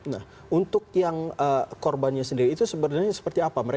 nah untuk yang korbannya sendiri itu sebenarnya seperti apa